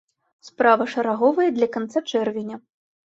Справа шараговая для канца чэрвеня.